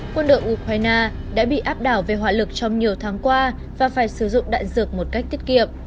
quân đội ukraine đã bị áp đảo về hỏa lực trong nhiều tháng qua và phải sử dụng đại dược một cách tiết kiệm